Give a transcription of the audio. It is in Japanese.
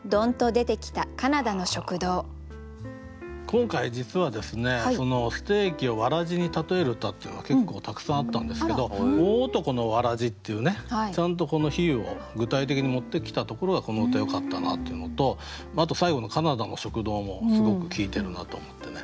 今回実はステーキをわらじに例える歌っていうのは結構たくさんあったんですけど「大男のわらじ」っていうちゃんとこの比喩を具体的に持ってきたところがこの歌よかったなっていうのとあと最後の「カナダの食堂」もすごく効いてるなと思ってね。